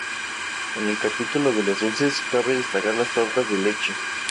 En el capítulo de los dulces cabe destacar las tortas de leche.